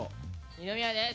二宮です。